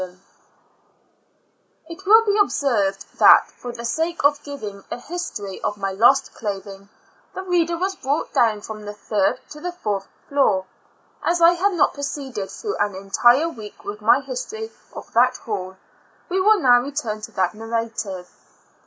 IN A L UNA TIC A STL mi, 6 5 It will be observed that, for the sake of giving a history of my lost clothing, the reader was brou2:ht down from the third to the fourth floor; as I had not proceeded through an entire week with my history of that hall, we will now return to that narrative.